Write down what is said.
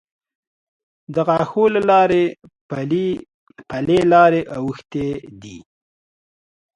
د غاښو له لارې پلې لارې اوښتې دي.